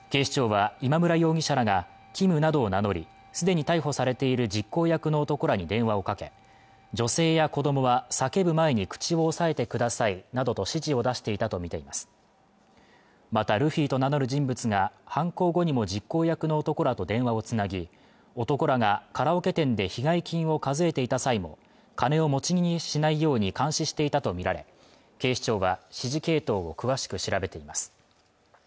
警視庁は今村容疑者らがＫｉｍなどを名乗り既に逮捕されている実行役の男らに電話をかけ女性や子供は叫ぶ前に口を押さえてくださいなどと指示を出していたとみていますまたルフィと名乗る人物が犯行後にも実行役の男らと電話をつなぎ男らがカラオケ店で被害金を数えていた際も金を持ち逃げしないように監視していたとみられ警視庁は指示系統を詳しく調べています